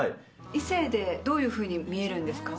異性でどういうふうに見えるんですか？